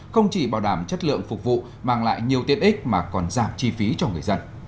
không chỉ bảo đảm chất lượng phục vụ mang lại nhiều tiện ích mà còn giảm chi phí cho người dân